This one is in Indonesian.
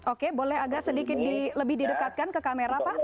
oke boleh agak sedikit lebih didekatkan ke kamera pak